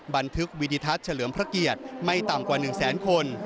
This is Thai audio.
บันทึกวิดิทัศน์เฉลิมพระเกียรติไม่ต่ำกว่า๑แสนคน